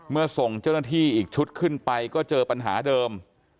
ส่งเจ้าหน้าที่อีกชุดขึ้นไปก็เจอปัญหาเดิม